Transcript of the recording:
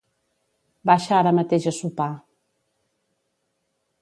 Baixa ara mateix a sopar.